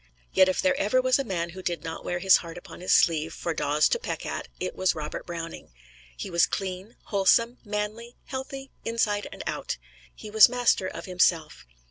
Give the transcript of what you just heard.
Yet if there ever was a man who did not wear his heart upon his sleeve for daws to peck at, it was Robert Browning. He was clean, wholesome, manly, healthy, inside and out. He was master of self.